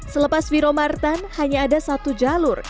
selepas wiromartan hanya ada satu jalur